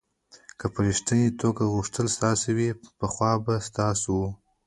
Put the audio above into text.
که په ریښتني توګه غوښتل ستاسو وي پخوا به ستاسو و.